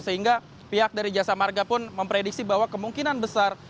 sehingga pihak dari jasa marga pun memprediksi bahwa kemungkinan besar